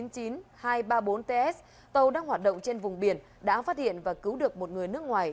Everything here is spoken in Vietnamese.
t chín mươi chín hai trăm ba mươi bốn ts tàu đang hoạt động trên vùng biển đã phát hiện và cứu được một người nước ngoài